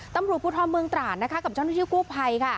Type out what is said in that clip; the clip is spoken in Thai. ตำรวจพุทธรรมเมืองตราดและชะนดิทธิพู่ภัย